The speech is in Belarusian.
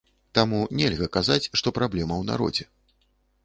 Таму нельга казаць, што праблема ў народзе.